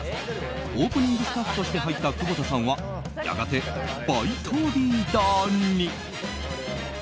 オープニングスタッフとして入った久保田さんはやがてバイトリーダーに。